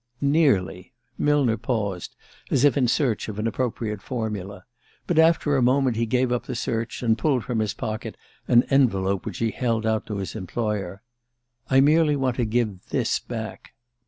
"Nearly." Millner paused, as if in search of an appropriate formula. But after a moment he gave up the search, and pulled from his pocket an envelope which he held out to his employer. "I merely want to give this back."